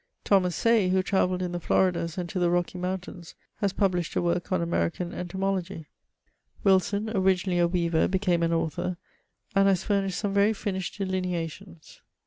Thomas Say, who travelled in the Floridas and to the Rocky Mountains, naa published a work on American ento mology. Wilson, originally a weaver, became an author, and has furnished some very finished delineations.